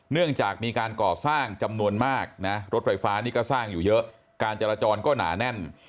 เนื่องจากมีการก่อสร้างจำนวนมากนะรถไฟฟ้านี่ก็สร้างอยู่เยอะการจราจรก็หนาแน่น